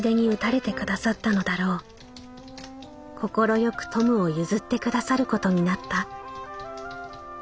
快くトムを譲ってくださることになった。